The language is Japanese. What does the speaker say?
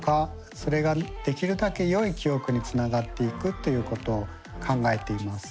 それができるだけよい記憶につながっていくということを考えています。